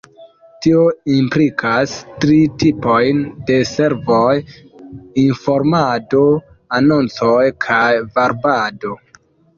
Tio implikas tri tipojn de servoj: informado, anoncoj kaj varbado.